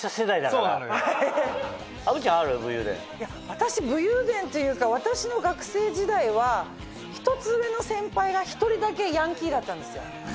私武勇伝というか私の学生時代は１つ上の先輩が１人だけヤンキーだったんですよ。